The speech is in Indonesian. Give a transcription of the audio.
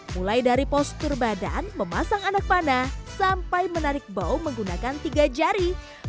mulai dari postur badan memasang anak panah sampai menarik bau menggunakan tiga jari